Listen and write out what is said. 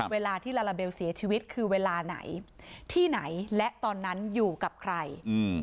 เวลาที่ลาลาเบลเสียชีวิตคือเวลาไหนที่ไหนและตอนนั้นอยู่กับใคร